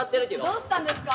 どうしたんですか？